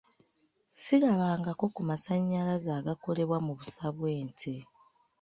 Sirabangako ku masannyalaze agakolebwa mu busa bw'ente.